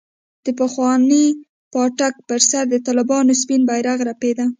د پخواني پاټک پر سر د طالبانو سپين بيرغ رپېده.